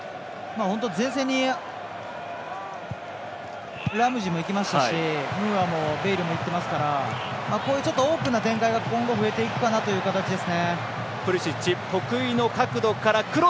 本当、前線にラムジーも行きましたしムーアもベイルも行きましたからオープンな展開が今後、増えていくかなという感じです。